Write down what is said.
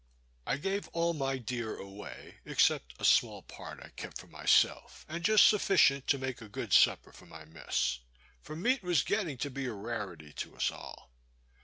I gave all my deer away, except a small part I kept for myself, and just sufficient to make a good supper for my mess; for meat was getting to be a rarity to us all.